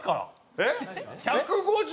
えっ？